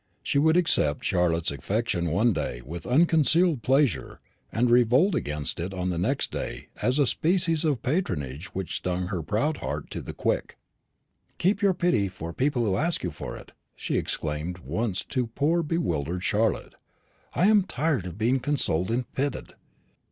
She would accept Charlotte's affection one day with unconcealed pleasure, and revolt against it on the next day as a species of patronage which stung her proud heart to the quick. "Keep your pity for people who ask you for it," she had exclaimed once to poor bewildered Charlotte; "I am tired of being consoled and petted.